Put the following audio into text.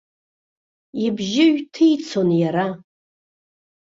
Ибжьы ҩҭицон иара.